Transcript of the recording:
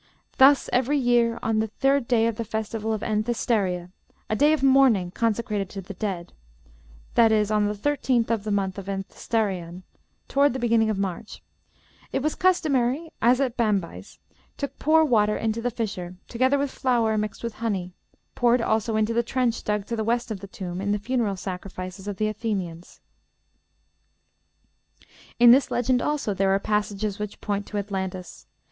Thus, every year, on the third day of the festival of the Anthestéria, a day of mourning consecrated to the dead that is, on the thirteenth of the month of Anthestérion, toward the beginning of March it was customary, as at Bambyce, to pour water into the fissure, together with flour mixed with honey, poured also into the trench dug to the west of the tomb, in the funeral sacrifices of the Athenians." In this legend, also, there are passages which point to Atlantis.